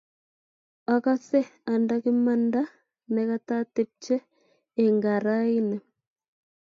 Akase anda kimanda ne katatepche eng kaa raini.